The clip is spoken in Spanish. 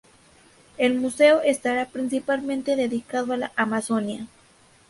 El museo estará principalmente dedicado a la amazonia.